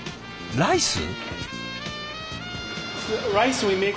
ライス？